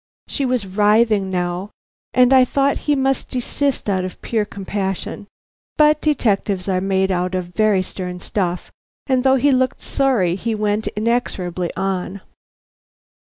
She was writhing now, and I thought he must desist out of pure compassion. But detectives are made out of very stern stuff, and though he looked sorry he went inexorably on.